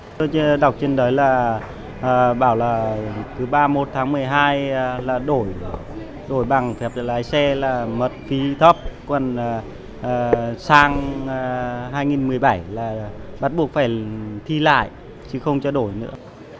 tôi đọc trên đấy là bảo là từ ba mươi một tháng một mươi hai là đổi rồi bằng phép lái xe là mất phí thấp còn sang hai nghìn một mươi bảy là bắt buộc phải thi lại chứ không trao đổi nữa